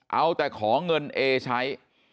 เอาแต่ขอเงินเอใช้